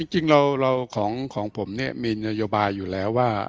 จริงเราของผมมีนโยบายอยู่แล้วว่า